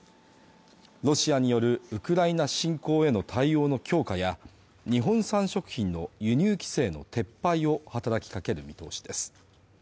ロシアによるウクライナ侵攻への対応の強化や日本産食品の輸入規制の撤廃を働きかける見通しです。